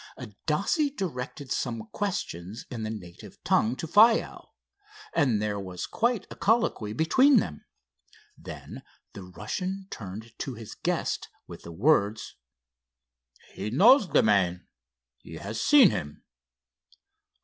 Adasse directed some questions in the native tongue to Faiow, and there was quite a colloquy between them. Then the Russian turned to his guest with the words: "He knows the man. He has seen him."